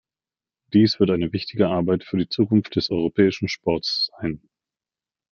Dies wird eine wichtige Arbeit für die Zukunft des europäischen Sports sein.